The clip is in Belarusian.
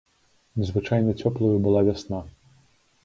Незвычайна цёплаю была вясна.